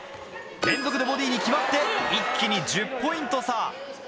連続でボディーに決まって一気に１０ポイント差。